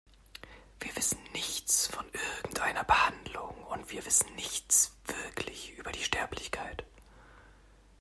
Wir wissen nichts von irgendeiner Behandlung, und wir wissen nichts wirklich über die Sterblichkeit.